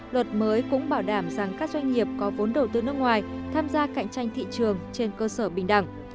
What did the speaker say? luật mới cũng bảo đảm rằng các doanh nghiệp có vốn đầu tư nước ngoài tham gia cạnh tranh thị trường trên cơ sở bình đẳng